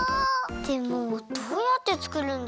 でもどうやってつくるんですか？